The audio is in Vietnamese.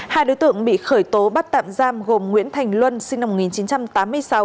hai đối tượng bị khởi tố bắt tạm giam gồm nguyễn thành luân sinh năm một nghìn chín trăm tám mươi sáu